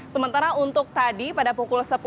sementara untuk tadi pada pukul sepuluh